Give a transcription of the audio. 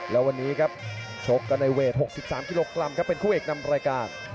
แล้ววันนี้ครับชกกันในเวท๖๓กิโลกรัมครับเป็นคู่เอกนำรายการ